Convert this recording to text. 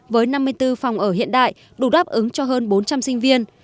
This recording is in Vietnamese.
với năm mươi bốn phòng ở hiện đại đủ đáp ứng cho hơn bốn trăm linh sinh viên